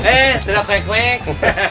eh terima kasih